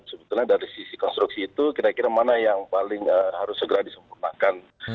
sebetulnya dari sisi konstruksi itu kira kira mana yang paling harus segera disempurnakan